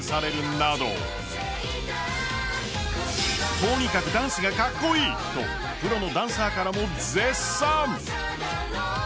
とにかくダンスがかっこいいとプロのダンサーからも絶賛。